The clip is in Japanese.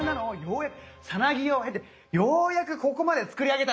さなぎを経てようやくここまで作り上げたのよ。